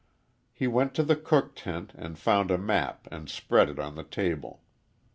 He went to the cook tent and found a map and spread it on the table.